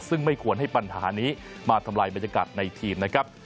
ซึ่งไม่ควรให้ปัญหานี้มาทำลายบรรยากาศในทีมนะครับ